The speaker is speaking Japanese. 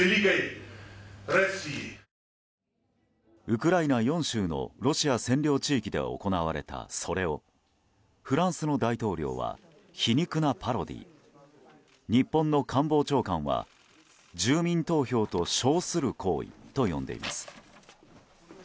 ウクライナ４州のロシア占領地域で行われたそれをフランスの大統領は皮肉なパロディー日本の官房長官は住民投票と称する行為と呼んでいます。